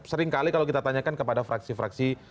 seringkali kalau kita tanyakan kepada fraksi fraksi